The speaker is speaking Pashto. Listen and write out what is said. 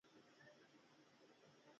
د لوبیا کښت ځمکه قوي کوي.